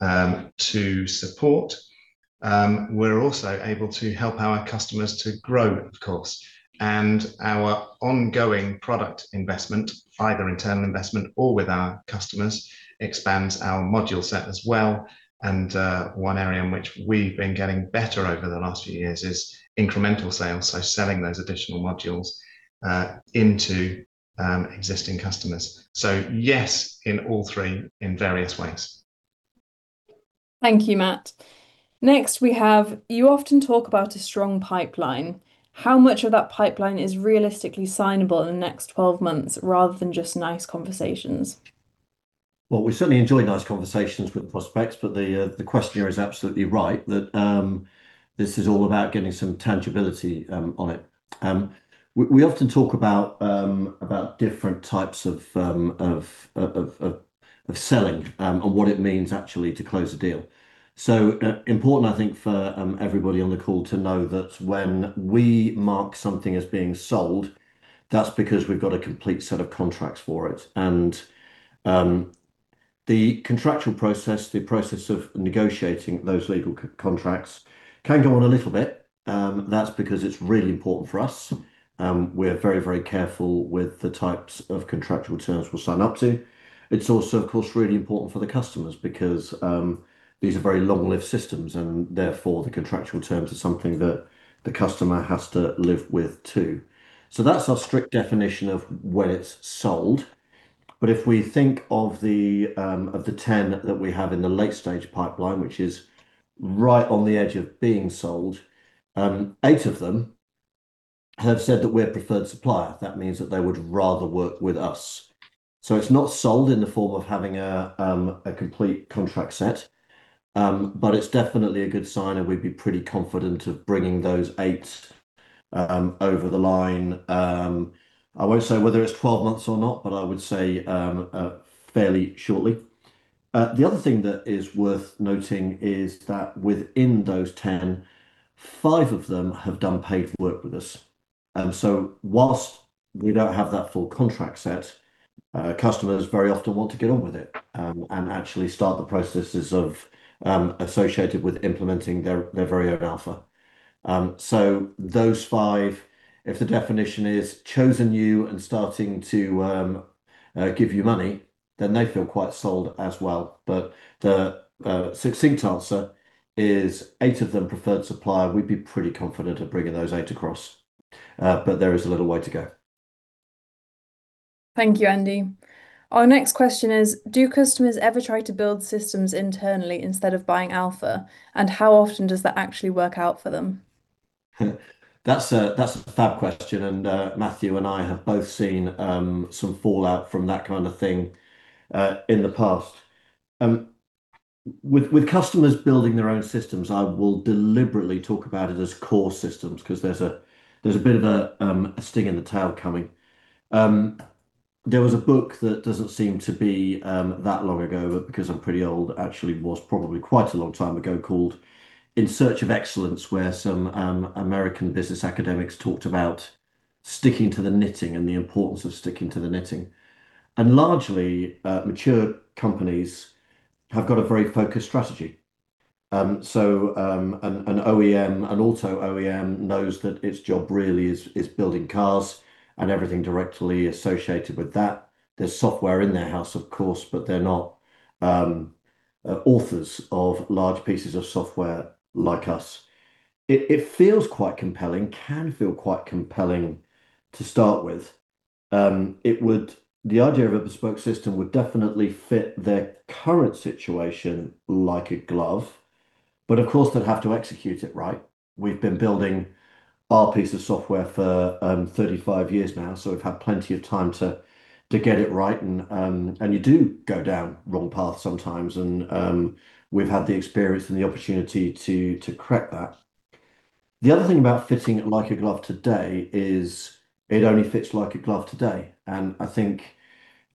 to support. We're also able to help our customers to grow, of course. Our ongoing product investment, either internal investment or with our customers, expands our module set as well. One area in which we've been getting better over the last few years is incremental sales, so selling those additional modules into existing customers. Yes, in all three in various ways. Thank you, Matt. Next, we have, "You often talk about a strong pipeline. How much of that pipeline is realistically signable in the next 12 months rather than just nice conversations? Well, we certainly enjoy nice conversations with prospects, but the questioner is absolutely right that this is all about getting some tangibility on it. We often talk about different types of selling and what it means actually to close a deal. Important I think for everybody on the call to know that when we mark something as being sold, that's because we've got a complete set of contracts for it. The contractual process, the process of negotiating those legal contracts can go on a little bit. That's because it's really important for us. We're very careful with the types of contractual terms we'll sign up to. It's also, of course, really important for the customers because these are very long-lived systems, and therefore, the contractual terms are something that the customer has to live with too. That's our strict definition of when it's sold. If we think of the 10 that we have in the late-stage pipeline, which is right on the edge of being sold, eight of them have said that we're preferred supplier. That means that they would rather work with us. It's not sold in the form of having a complete contract set, but it's definitely a good sign, and we'd be pretty confident of bringing those eight over the line. I won't say whether it's 12 months or not, but I would say fairly shortly. The other thing that is worth noting is that within those 10, five of them have done paid work with us. While we don't have that full contract set, customers very often want to get on with it, and actually start the processes associated with implementing their very own Alfa. Those five, if the definition is chosen and starting to give you money, then they feel quite sold as well. The succinct answer is eight of them preferred supplier. We'd be pretty confident of bringing those eight across. There is a little way to go. Thank you, Andy. Our next question is, "Do customers ever try to build systems internally instead of buying Alfa, and how often does that actually work out for them? That's a fab question, and Matthew and I have both seen some fallout from that kind of thing in the past. With customers building their own systems, I will deliberately talk about it as core systems 'cause there's a bit of a sting in the tail coming. There was a book that doesn't seem to be that long ago, but because I'm pretty old, actually was probably quite a long time ago, called In Search of Excellence, where some American business academics talked about sticking to the knitting and the importance of sticking to the knitting. Largely, mature companies have got a very focused strategy. An OEM, an auto OEM knows that its job really is building cars and everything directly associated with that. There's software in their house, of course, but they're not authors of large pieces of software like us. It feels quite compelling, can feel quite compelling to start with. The idea of a bespoke system would definitely fit their current situation like a glove. But of course, they'd have to execute it right. We've been building our piece of software for 35 years now, so we've had plenty of time to get it right. And you do go down wrong paths sometimes, and we've had the experience and the opportunity to correct that. The other thing about fitting it like a glove today is it only fits like a glove today. I think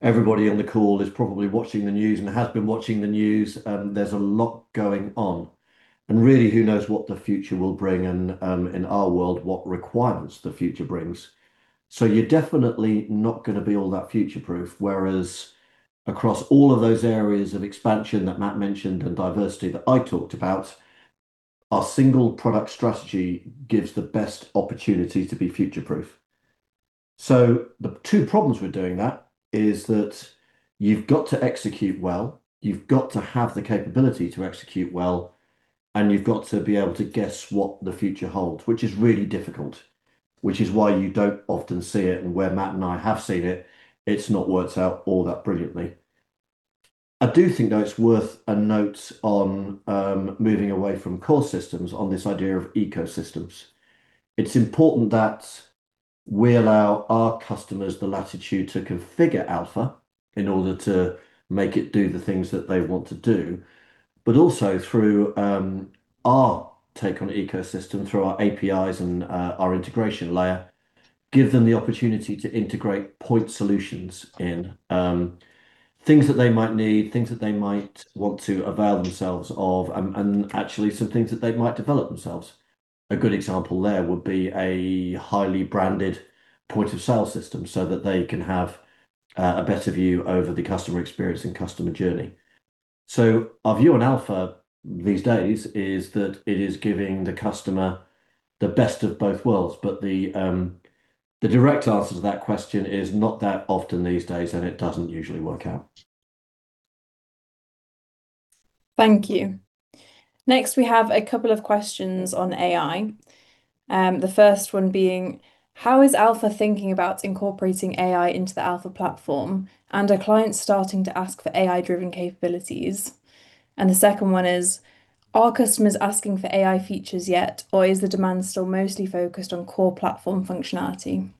everybody on the call is probably watching the news and has been watching the news, and there's a lot going on. Really, who knows what the future will bring and, in our world, what requirements the future brings. You're definitely not going to be all that future-proof. Whereas across all of those areas of expansion that Matt mentioned and diversity that I talked about, our single product strategy gives the best opportunity to be future-proof. The two problems with doing that is that you've got to execute well, you've got to have the capability to execute well, and you've got to be able to guess what the future holds, which is really difficult, which is why you don't often see it. Where Matt and I have seen it's not worked out all that brilliantly. I do think, though, it's worth a note on, moving away from core systems on this idea of ecosystems. It's important that we allow our customers the latitude to configure Alfa in order to make it do the things that they want to do. Also through our take on ecosystem, through our APIs and our integration layer, give them the opportunity to integrate point solutions in things that they might need, things that they might want to avail themselves of, and actually some things that they might develop themselves. A good example there would be a highly branded point-of-sale system so that they can have a better view over the customer experience and customer journey. Our view on Alfa these days is that it is giving the customer the best of both worlds. The direct answer to that question is not that often these days, and it doesn't usually work out. Thank you. Next, we have a couple of questions on AI. The first one being, "How is Alfa thinking about incorporating AI into the Alfa platform? And are clients starting to ask for AI-driven capabilities?" The second one is, "Are customers asking for AI features yet? Or is the demand still mostly focused on core platform functionality?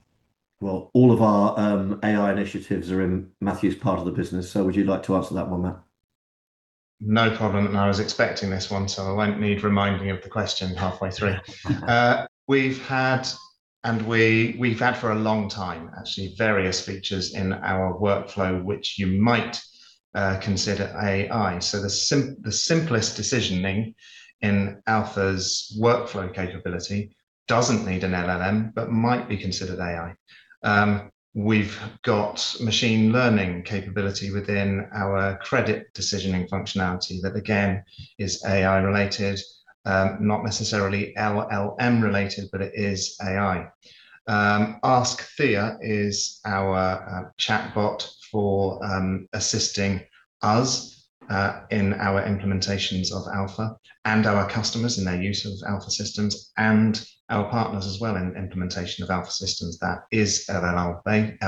Well, all of our AI initiatives are in Matthew's part of the business. Would you like to answer that one, Matt? No problem. I was expecting this one, so I won't need reminding of the question halfway through. We've had for a long time, actually, various features in our workflow which you might consider AI. The simplest decisioning in Alfa's workflow capability doesn't need an LLM but might be considered AI. We've got machine learning capability within our credit decisioning functionality that again, is AI-related. Not necessarily LLM-related, but it is AI. AskThea is our chatbot for assisting us in our implementations of Alfa and our customers in their use of Alfa Systems and our partners as well in implementation of Alfa Systems that is LLM-based.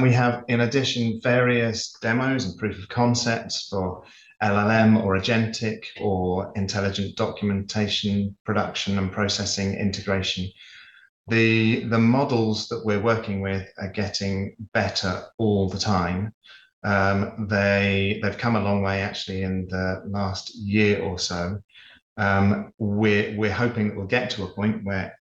We have in addition various demos and proof of concepts for LLM or agentic or intelligent documentation production and processing integration. The models that we're working with are getting better all the time. They've come a long way actually in the last year or so. We're hoping that we'll get to a point where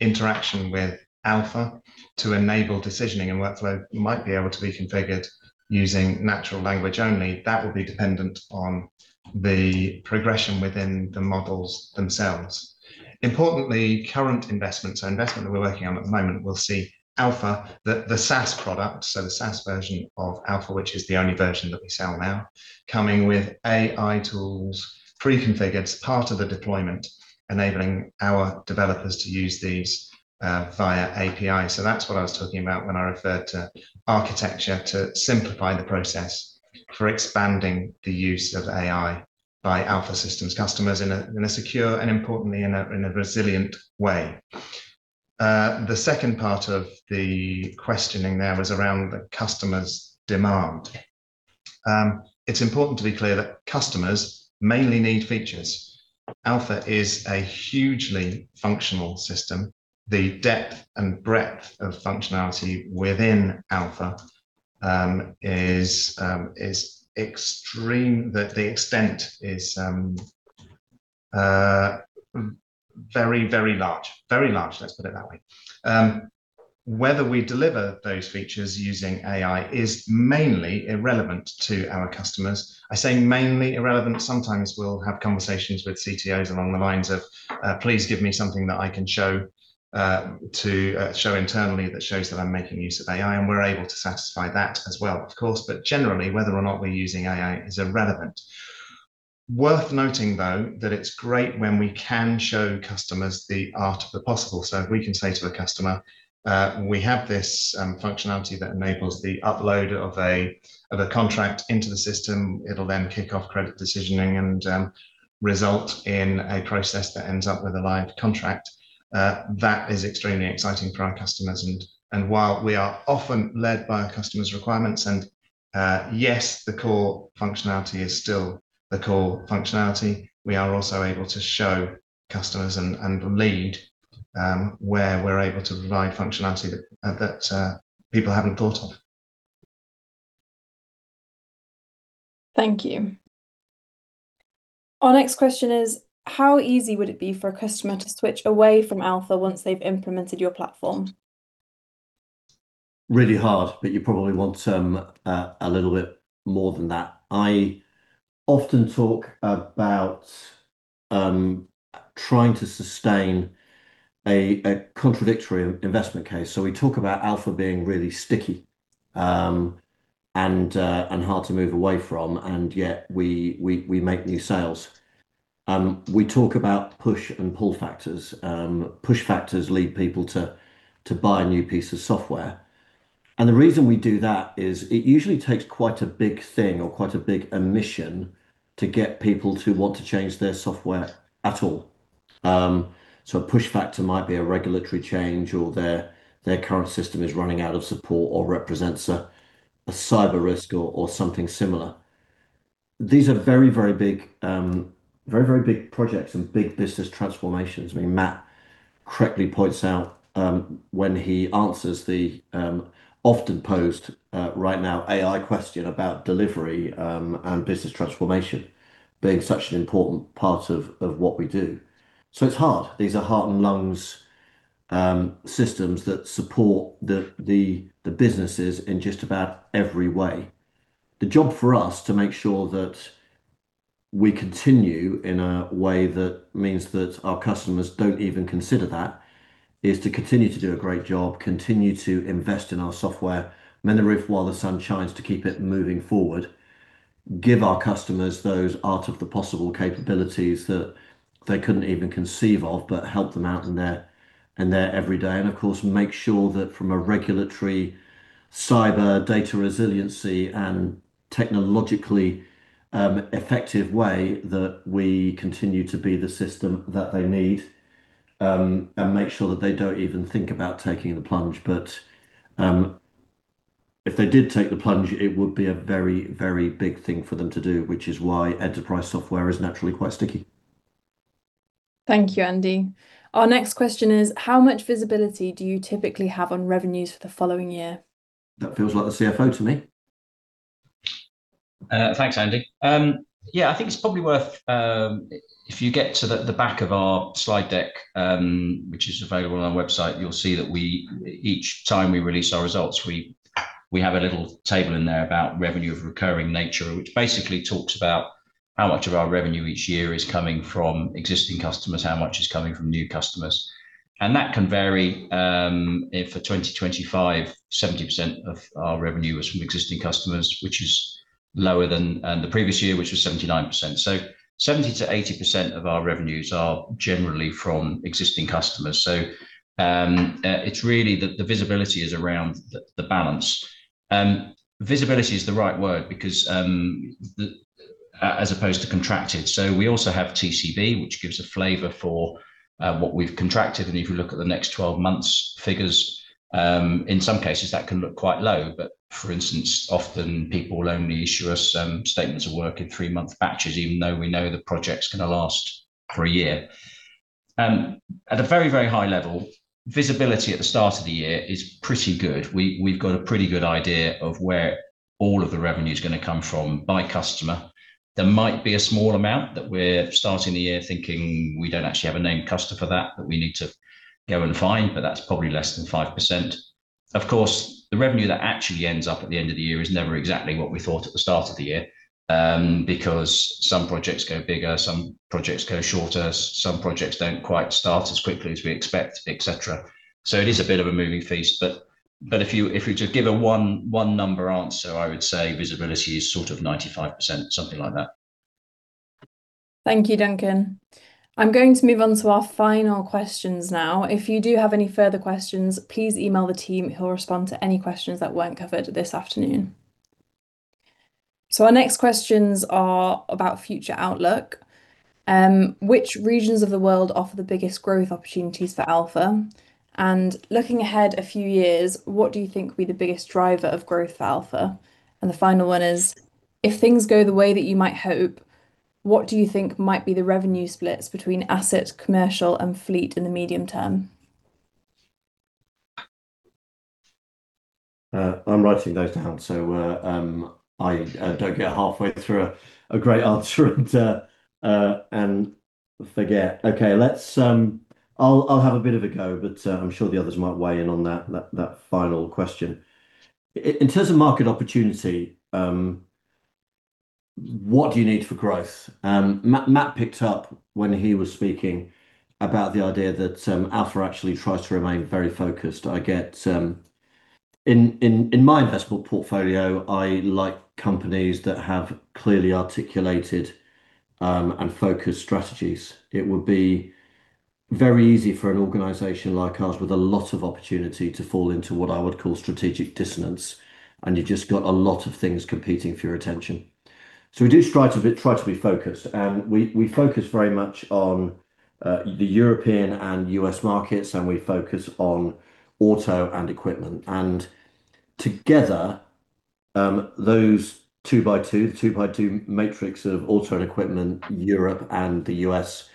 interaction with Alfa to enable decisioning and workflow might be able to be configured using natural language only. That will be dependent on the progression within the models themselves. Importantly, current investments, investment that we're working on at the moment, we'll see Alfa, the SaaS product. The SaaS version of Alfa, which is the only version that we sell now, coming with AI tools pre-configured as part of the deployment, enabling our developers to use these via API. That's what I was talking about when I referred to architecture to simplify the process for expanding the use of AI by Alfa Systems customers in a secure and importantly in a resilient way. The second part of the questioning there was around the customer's demand. It's important to be clear that customers mainly need features. Alfa is a hugely functional system. The depth and breadth of functionality within Alfa is extreme. The extent is very large. Very large, let's put it that way. Whether we deliver those features using AI is mainly irrelevant to our customers. I say mainly irrelevant. Sometimes we'll have conversations with CTOs along the lines of, "please give me something that I can show internally that shows that I'm making use of AI," and we're able to satisfy that as well, of course. Generally, whether or not we're using AI is irrelevant. Worth noting, though, that it's great when we can show customers the art of the possible. If we can say to a customer, "we have this functionality that enables the upload of a contract into the system. It'll then kick off credit decisioning and result in a process that ends up with a live contract," that is extremely exciting for our customers. While we are often led by our customers' requirements, yes, the core functionality is still the core functionality. We are also able to show customers and lead where we're able to provide functionality that people haven't thought of. Thank you. Our next question is, how easy would it be for a customer to switch away from Alfa once they've implemented your platform? Really hard, but you probably want a little bit more than that. I often talk about trying to sustain a contradictory investment case. We talk about Alfa being really sticky and hard to move away from, and yet we make new sales. We talk about push and pull factors. Push factors lead people to buy a new piece of software. The reason we do that is it usually takes quite a big thing or quite a big omission to get people to want to change their software at all. A push factor might be a regulatory change or their current system is running out of support or represents a cyber risk or something similar. These are very big projects and big business transformations. I mean, Matt correctly points out when he answers the often-posed right now AI question about delivery and business transformation being such an important part of what we do. It's hard. These are heart and lungs systems that support the businesses in just about every way. The job for us to make sure that we continue in a way that means that our customers don't even consider that is to continue to do a great job, continue to invest in our software, mend the roof while the sun shines to keep it moving forward, give our customers those art of the possible capabilities that they couldn't even conceive of, but help them out in their every day. Of course, make sure that from a regulatory cyber data resiliency and technologically effective way, that we continue to be the system that they need, and make sure that they don't even think about taking the plunge. If they did take the plunge, it would be a very, very big thing for them to do, which is why enterprise software is naturally quite sticky. Thank you, Andy. Our next question is, how much visibility do you typically have on revenues for the following year? That feels like the CFO to me. Thanks, Andy. Yeah, I think it's probably worth if you get to the back of our slide deck, which is available on our website. You'll see that each time we release our results, we have a little table in there about revenue of recurring nature, which basically talks about how much of our revenue each year is coming from existing customers, how much is coming from new customers. That can vary. In 2025, 70% of our revenue was from existing customers, which is lower than the previous year, which was 79%. 70%-80% of our revenues are generally from existing customers. It's really the visibility is around the balance. Visibility is the right word because the as opposed to contracted. We also have TCV, which gives a flavor for what we've contracted. If you look at the next 12 months figures, in some cases, that can look quite low. For instance, often people will only issue us statements of work in 3-month batches, even though we know the project's gonna last for a year. At a very, very high level, visibility at the start of the year is pretty good. We've got a pretty good idea of where all of the revenue's gonna come from by customer. There might be a small amount that we're starting the year thinking we don't actually have a named customer for that we need to go and find, but that's probably less than 5%. Of course, the revenue that actually ends up at the end of the year is never exactly what we thought at the start of the year, because some projects go bigger, some projects go shorter, some projects don't quite start as quickly as we expect, et cetera. It is a bit of a moving feast. If you just give a one number answer, I would say visibility is sort of 95%, something like that. Thank you, Duncan. I'm going to move on to our final questions now. If you do have any further questions, please email the team who will respond to any questions that weren't covered this afternoon. Our next questions are about future outlook. Which regions of the world offer the biggest growth opportunities for Alfa? And looking ahead a few years, what do you think will be the biggest driver of growth for Alfa? And the final one is, if things go the way that you might hope, what do you think might be the revenue splits between asset, commercial, and fleet in the medium term? I'm writing those down, so I don't get halfway through a great answer and forget. Okay. I'll have a bit of a go, but I'm sure the others might weigh in on that final question. In terms of market opportunity, what do you need for growth? Matt picked up when he was speaking about the idea that Alfa actually tries to remain very focused. I get. In my investment portfolio, I like companies that have clearly articulated and focused strategies. It would be very easy for an organization like ours with a lot of opportunity to fall into what I would call strategic dissonance, and you just got a lot of things competing for your attention. We do try to be focused, and we focus very much on the European and U.S. markets, and we focus on auto and equipment. Together, those two-by-two matrix of auto and equipment, Europe and the U.S.,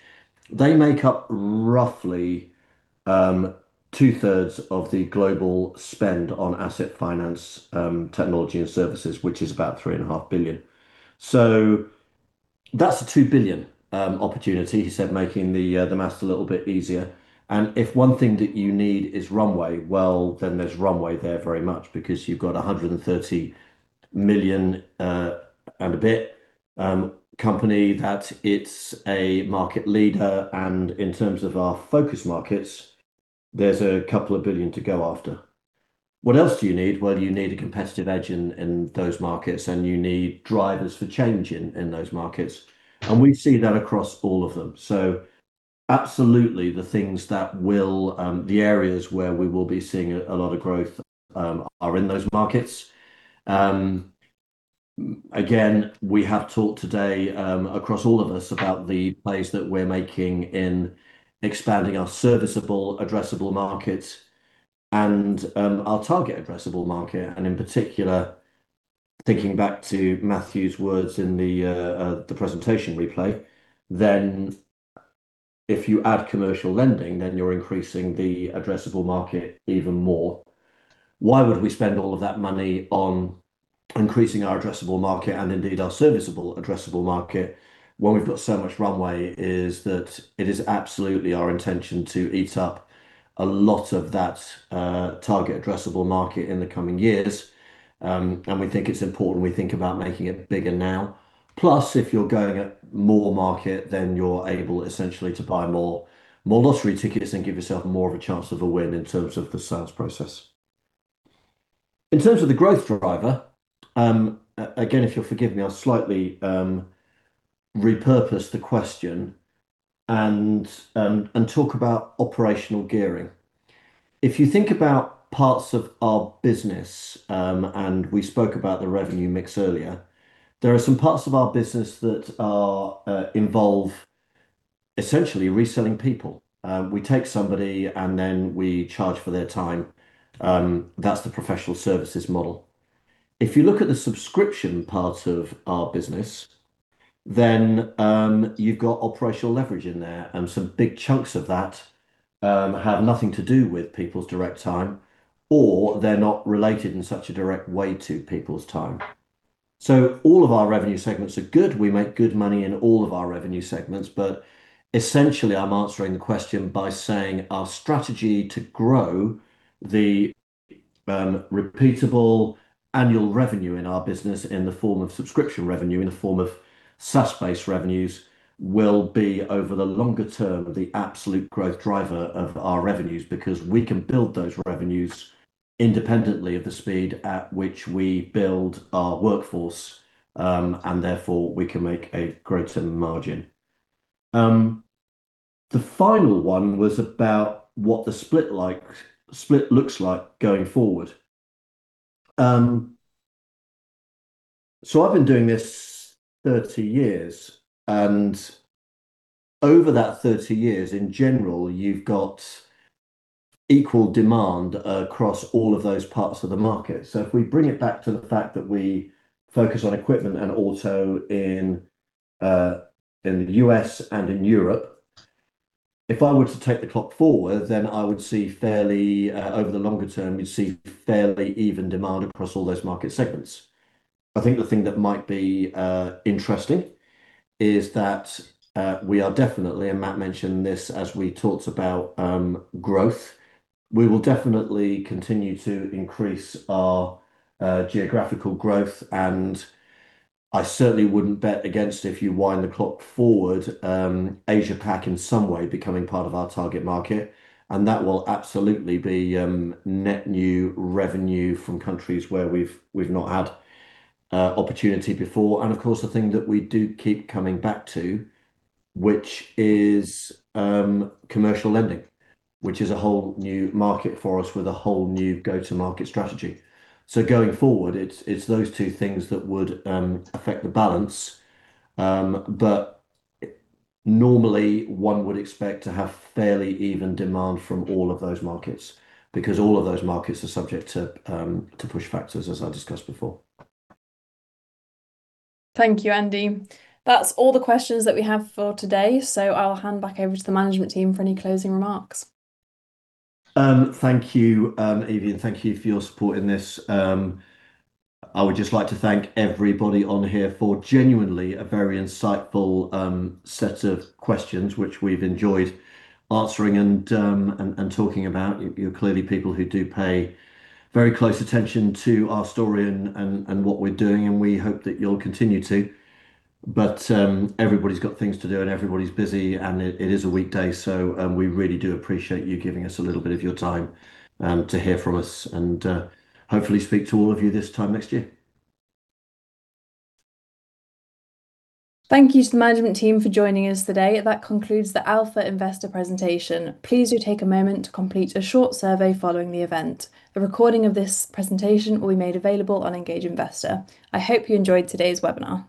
they make up roughly 2/3 of the global spend on asset finance technology and services, which is about 3.5 billion. That's a 2 billion opportunity, he said, making the math a little bit easier. If one thing that you need is runway, well, then there's runway there very much because you've got a 130 million and a bit company that it's a market leader, and in terms of our focus markets, there's a couple of billion to go after. What else do you need? Well, you need a competitive edge in those markets, and you need drivers for change in those markets. We see that across all of them. Absolutely the areas where we will be seeing a lot of growth are in those markets. Again, we have talked today across all of us about the plays that we're making in expanding our serviceable addressable market and our target addressable market. In particular, thinking back to Matthew's words in the presentation replay, if you add commercial lending, you're increasing the addressable market even more. Why would we spend all of that money on increasing our addressable market and indeed our serviceable addressable market when we've got so much runway? It is absolutely our intention to eat up a lot of that target addressable market in the coming years. We think it's important we think about making it bigger now. Plus, if you're going at more market, then you are able essentially to buy more lottery tickets and give yourself more of a chance of a win in terms of the sales process. In terms of the growth driver, again, if you'll forgive me, I'll slightly repurpose the question and talk about operational gearing. If you think about parts of our business, and we spoke about the revenue mix earlier, there are some parts of our business that involve essentially reselling people. We take somebody, and then we charge for their time. That's the professional services model. If you look at the subscription parts of our business, then you've got operational leverage in there, and some big chunks of that have nothing to do with people's direct time, or they're not related in such a direct way to people's time. All of our revenue segments are good. We make good money in all of our revenue segments. Essentially I'm answering the question by saying our strategy to grow the repeatable annual revenue in our business in the form of subscription revenue, in the form of SaaS-based revenues, will be over the longer term, the absolute growth driver of our revenues because we can build those revenues independently of the speed at which we build our workforce. Therefore we can make a greater margin. The final one was about what the split looks like going forward. I've been doing this 30 years, and over that 30 years, in general, you've got equal demand across all of those parts of the market. If we bring it back to the fact that we focus on equipment and also in the U.S. and in Europe, if I were to take the clock forward, then I would see fairly over the longer term, you'd see fairly even demand across all those market segments. I think the thing that might be interesting is that we are definitely, and Matt mentioned this as we talked about growth, we will definitely continue to increase our geographical growth, and I certainly wouldn't bet against if you wind the clock forward, Asia Pac in some way becoming part of our target market. That will absolutely be net new revenue from countries where we've not had opportunity before. Of course, the thing that we do keep coming back to, which is commercial lending, which is a whole new market for us with a whole new go-to-market strategy. Going forward, it's those two things that would affect the balance. Normally one would expect to have fairly even demand from all of those markets because all of those markets are subject to push factors, as I discussed before. Thank you, Andy. That's all the questions that we have for today, so I'll hand back over to the management team for any closing remarks. Thank you, Evie, and thank you for your support in this. I would just like to thank everybody on here for genuinely a very insightful set of questions which we've enjoyed answering and talking about. You're clearly people who do pay very close attention to our story and what we're doing, and we hope that you'll continue to. Everybody's got things to do, and everybody's busy, and it is a weekday. We really do appreciate you giving us a little bit of your time to hear from us, and hopefully speak to all of you this time next year. Thank you to the management team for joining us today. That concludes the Alfa Investor Presentation. Please do take a moment to complete a short survey following the event. A recording of this presentation will be made available on Engage Investor. I hope you enjoyed today's webinar.